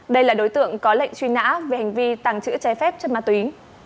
đây là đối tượng có lệnh truy nã về hành vi tàng trữ trái phép chất ma túy